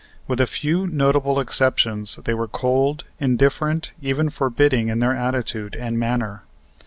With a few notable exceptions they were cold, indifferent, even forbidding in their attitude and manner.